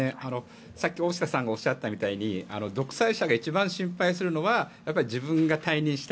さっき大下さんがおっしゃったみたいに独裁者が一番心配するのは自分が退任した